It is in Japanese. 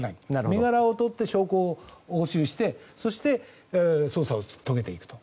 身柄をとって証拠を押収して捜査を遂げていくと。